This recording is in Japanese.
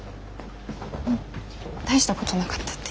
うん大したことなかったって。